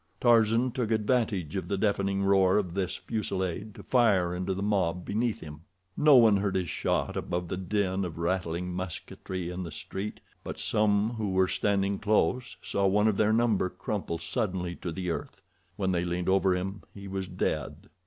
Tarzan took advantage of the deafening roar of this fusillade to fire into the mob beneath him. No one heard his shot above the din of rattling musketry in the street, but some who were standing close saw one of their number crumple suddenly to the earth. When they leaned over him he was dead.